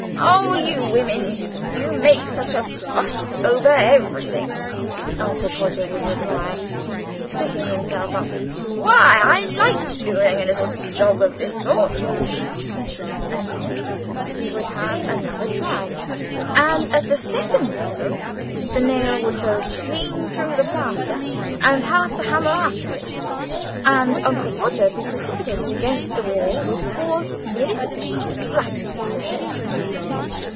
"Oh! you women, you make such a fuss over everything," Uncle Podger would reply, picking himself up. "Why, I like doing a little job of this sort." [Picture: Uncle Podger admiring his work] And then he would have another try, and, at the second blow, the nail would go clean through the plaster, and half the hammer after it, and Uncle Podger be precipitated against the wall with force nearly sufficient to flatten his nose.